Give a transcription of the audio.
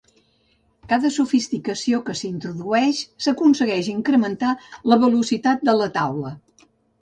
Cada sofisticació que s'introdueix s'aconsegueix incrementar la velocitat de la taula.